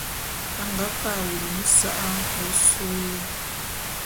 A nga ke a wulu nsa'a ôsôé.